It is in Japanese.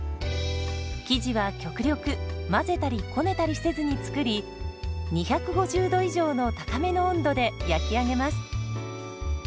生地は極力混ぜたりこねたりせずに作り２５０度以上の高めの温度で焼き上げます。